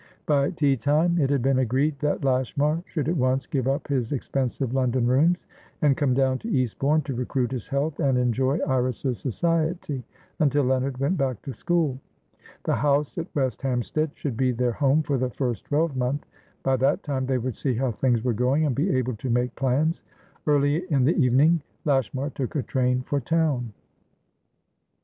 By tea time, it had been agreed that Lashmar should at once give up his expensive London rooms, and come down to Eastbourne, to recruit his health and enjoy Iris's society, until Leonard went back to school. The house at West Hampstead should be their home for the first twelvemonth; by that time they would see how things were going, and be able to make plans. Early in the evening, Lashmar took a train for town.